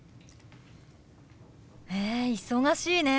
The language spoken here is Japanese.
へえ忙しいね。